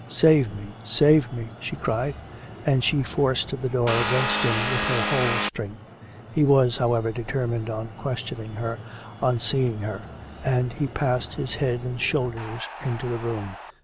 'Save me! save me!' she cried, and she forced the door against him with her whole strength. He was, however, determined on questioning her, on seeing her, and he passed his head and shoulders into the room.